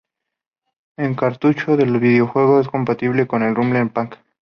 El cartucho del videojuego es compatible con el Rumble Pak.